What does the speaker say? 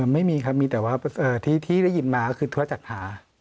ไม่มีครับมีแต่ว่าที่ได้ยินมาก็คือธุรจัดหา